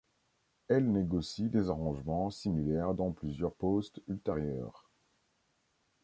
Elle négocie des arrangements similaires dans plusieurs postes ultérieurs.